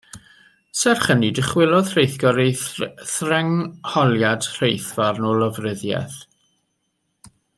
Serch hynny, dychwelodd rheithgor ei threngholiad reithfarn o lofruddiaeth.